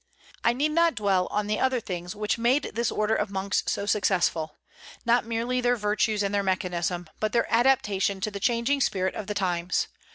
I need not dwell on other things which made this order of monks so successful, not merely their virtues and their mechanism, but their adaptation to the changing spirit of the times.